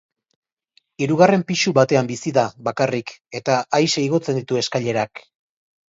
Hirugarren pisu batean bizi da, bakarrik, eta aise igotzen ditu eskailerak.